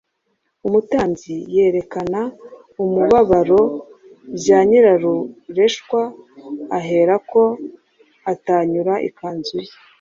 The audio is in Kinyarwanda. umutambyi yerekana umubabaro bya nyirarureshwa aherako atanyura ikanzu ye.